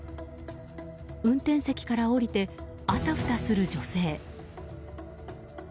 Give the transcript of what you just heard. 運転席から降りてあたふたする女性。